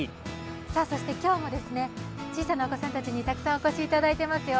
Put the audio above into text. そして今日も小さなお子さんたちにたくさんお越しいただいていますよ。